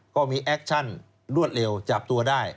แอคชั่นรวดเร็วจับตัวได้